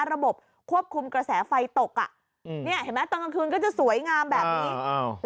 ระบบควบคุมกระแสไฟตกอ่ะอืมเนี่ยเห็นไหมตอนกลางคืนก็จะสวยงามแบบนี้อ้าว